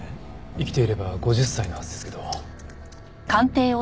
生きていれば５０歳のはずですけど。